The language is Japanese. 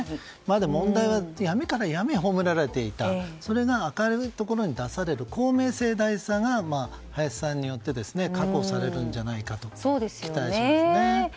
でも問題は闇から闇へ葬られていたそれが明るいところに出される公明正大さが林さんによって確保されるんじゃないかと期待しますね。